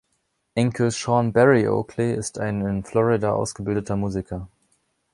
Enkel Shaun Berry Oakley ist ein in Florida ausgebildeter Musiker.